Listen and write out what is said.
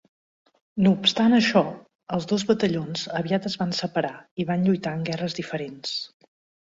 No obstant això, els dos batallons aviat es van separar i van lluitar en guerres diferents.